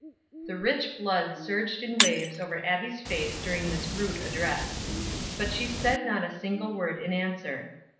The rich blood surged in waves over Abbie's face during this rude address; but she said not a single word in answer.